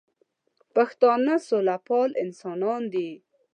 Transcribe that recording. پښتانه سوله پال انسانان دي